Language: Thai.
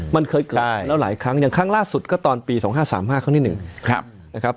มันเคยเกิดแล้วหลายครั้งอย่างครั้งล่าสุดก็ตอนปี๒๕๓๕ครั้งที่๑นะครับ